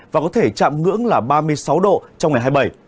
và có thể chạm ngưỡng là ba mươi sáu độ trong ngày hai mươi bảy